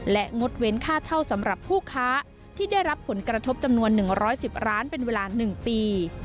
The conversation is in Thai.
และงดเว้นค่าเช่าสำหรับผู้ค้าที่ได้รับผลกระทบจำนวน๑๑๐ร้านเป็นเวลา๑ปี